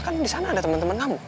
kan di sana ada temen temen kamu